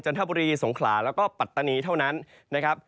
ทบุรีสงขลาแล้วก็ปัตตานีเท่านั้นนะครับ